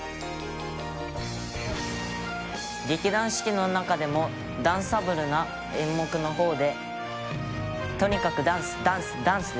「劇団四季の中でもダンサブルな演目の方でとにかくダンスダンスダンスです」